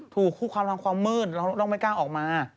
ถูกความทั้งความมืดแล้วไม่กล้าออกมา